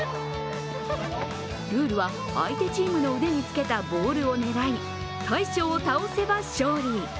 ルールは相手チームの腕につけたボールを狙い大将を倒せば勝利。